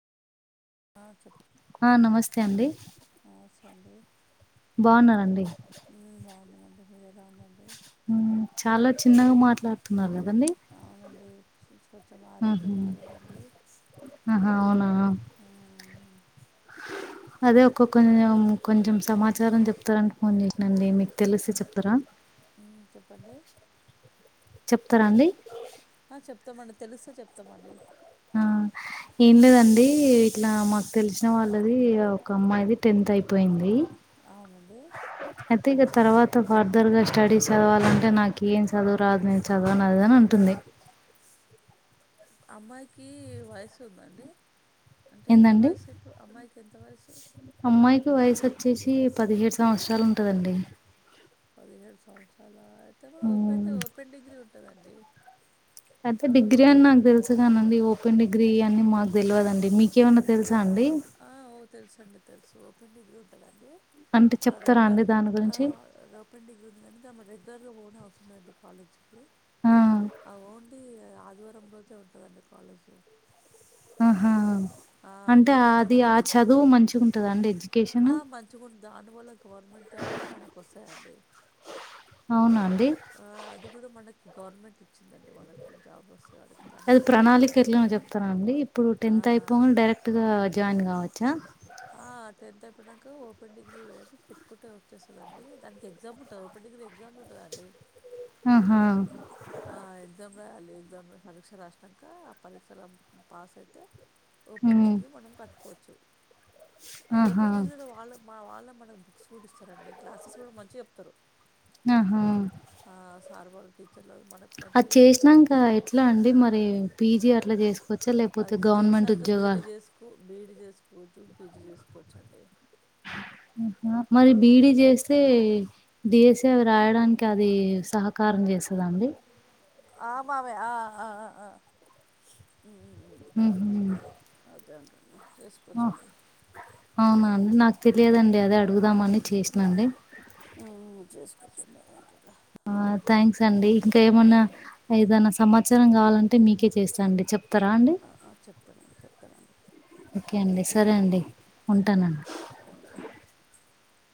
ఆ చెప్ ఆ నమస్తే అండి అండే బాగున్నానండి అంటే మీరు ఎలా ఉండే చాలా చిన్నగా మాట్లాడుతున్నారు అన్నీ స [unintelligible] కొంచెం ఆరోగ్యం బాాలేదండి ఆహా అవునా అదే ఒక కొంచెం కొంచెం సమాచారం చెప్తారని ఫోన్ చేసినాండి మీకు తెలిస్తే చెప్తారా మ్.... చెప్పండి చెప్తారా అండి ఆ చెప్తామండి తెలుస్తే చెప్తామండి ఆ ఏం లేదండీ ఇట్లా మాకు తెలిసిన వాళ్ళదీ ఒక అమ్మాయిది టెన్త్ అయిపోయింది అవునండీ అయితే ఇక తర్వాత ఫర్దర్ గ స్టడీస్ చదవాలంటే నాకు ఏం చదువు రాదు నేను చదువను అది అని ఉంటుంది అమ్మాయికి వయసు ఉందండి అంటే ఎంత ఏందండి వయసు ఇప్పుడు అమ్మాయికి ఎంత వయసు వచ్చేసీ పదిహేడు సంవత్సరాలు ఉంటదండి పదిహేడు సంవత్సరాలా అయితే మో ఓపెన్ హ్మ్ ఓపన్ డిగ్రీ ఉంట ఉంటదండి అయితే డిగ్రీ అని నాకు తెలుసు కానండి ఓపెన్ డిగ్రీ ఇయ్యన్నీ మాకు తెల్వదండి మీకేమన్నా తెలుస ఆ ఓ తెలుసండి తెలుసు ఓ డిగ్రీ ఉంటదండి అంటే చెప్తారా అండి రెగ్యులర్గా దాని గురించి [unintelligible] రెగ్యుర్ గా అవసరం అయితే కాలేజ్ కీ ఆ అ ఓన్లీ ఆదివారం ఒక రోజే ఉంటదండి కాలేజ్ ఆహా ఆ... అంటే మిగతా అది టైంలో ఆ చదువు మంచిగుంటదా అండి ఎడ్యుకేషన్ ఆ మంచిగ ఉంటది అందువల్ల గవర్నమెంట్ జాబ్లు కూడా మనకు వస్తాయండి అవునా అండి ఆ అది కూడా మనకు గవర్నమెంట్ ఇచ్చిందండి మనకి జాబ్ వస్ అది ప్రణాళిక ఎట్లనో చెప్తారఅండి ఇప్పుడు ఆ టెన్త్ అయిపోంగనె డైరెక్ట్ గా జాయిన్ కావ చ్చా ఆ టెన్త్ అయిపోయినాక ఓపెన్ డిగ్రీ పెట్టుకుంటే వచ్చేస్తదండీ దానికి ఎగ్జామ్ ఉంటది ఓపెన్ డిగ్రీ ఎగ్జామ్స్ ఉంటదండి ఆ. హా.. ఎగ్జామ్ రాయాలి ఎగ్జమ్ లో పరీక్ష రాసాక ఆ పరీక్షలో పాస్ అయితే ఓపెన్ హ్మ్ డిగ్రీ మనం కట్టు కొవచ్చు అ ఆహా ఓపెన్ డిగ్రీ లొ వాళ్ళ మా వాళ్లు మనకు బుక్సకూడాఇస్తారండి క్లాసెస్ కూడా మంచిగ చెప్తారు ఆహా ఆరవోల్తి అది చేసినాంక ఎట్లా అండి మరి పీ జీ అట్లా చేసుకోవచ్చా లేకపోతే గవర్నమెంట్ ఉద్యోగాలు బీ ఈ డి చేసు కొజు పి జి చేసుకోవచ్చండి మరి బీ ఈ డి చేస్తే డి ఎస్ సి అవి రాయడానికి అది సహకారం చేస్ కదా అండి ఆ బాబయ్ ఆ ఆ ఆ ఉమ్, ఉమ్, ఉమ్. ఊహూ అదే అంటున్నా ఆహ్ చేసుకోవచ్చండి అవునా నాకు తెలియదండి అదే అడుగుదామని చేసినా అండి ఆ ఆ చేసుకోవచ్చండి అదా [inaudible] ఆ థ్యాంక్స్ అండి ఇంకా ఏమన్నా ఓకే ఏదనా సమాచారం కావాలం టే మీకే చేస్తా అండి చెప్ తారా అండి ఆ, ఆ, చెప్తామండి చెప్తామండి ఓకే ఆ, అండి సరే అండి సరే ఆ, ఉంటానండి ఉండండి